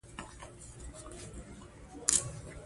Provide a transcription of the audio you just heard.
دوی د خپلو پلرونو نيمګړتياوې پټوي.